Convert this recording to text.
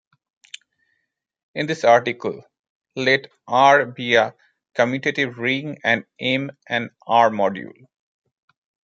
In this article, let "R" be a commutative ring and "M" an "R"-module.